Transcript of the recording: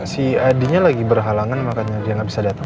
si adinya lagi berhalangan makanya dia nggak bisa datang